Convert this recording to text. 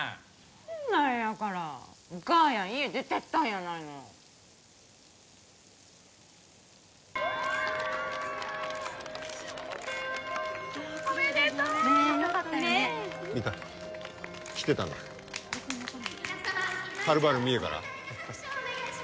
そんなんやからお母やん家出てったんやないの・おめでとう！ねえよかったね美香来てたんだはるばる三重から？